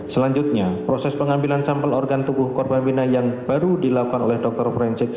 selanjutnya proses pengambilan campel organ tuku korpamina yang baru dilakukan oleh dr frencik